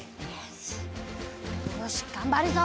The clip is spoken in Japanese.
よしがんばるぞ！